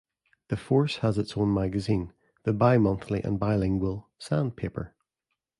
The Force has its own magazine, the bimonthly and bilingual "Sandpaper".